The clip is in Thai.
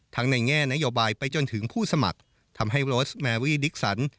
ในแง่นโยบายไปจนถึงผู้สมัครทำให้โรสแมรี่ดิกสัน